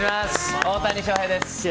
大谷翔平です！